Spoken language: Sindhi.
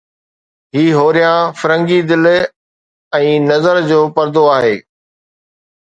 هي هوريان فرنگي دل ۽ نظر جو پردو آهي